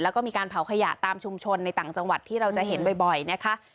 แล้วก็มีการเผาขยะตามชุมชนในต่างจังหวัดที่เราจะเห็นบ่อยนะคะ